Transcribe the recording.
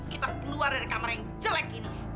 kita keluar dari kamar yang jelek ini